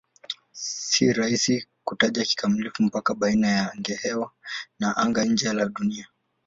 Si rahisi kutaja kikamilifu mpaka baina ya angahewa na anga-nje la Dunia.